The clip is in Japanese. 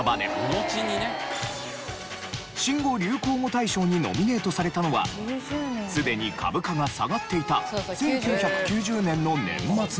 新語・流行語大賞にノミネートされたのはすでに株価が下がっていた１９９０年の年末の事。